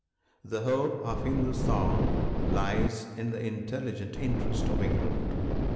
The hope of Hindostan lies in the intelligent interest of England.